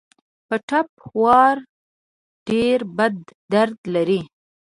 په ټپ وار ډېر بد درد لري.